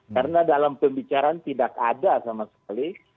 karena dalam pembicaraan tidak ada sama sekali